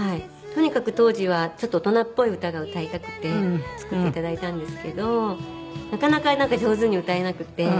とにかく当時はちょっと大人っぽい歌が歌いたくて作って頂いたんですけどなかなか上手に歌えなくて。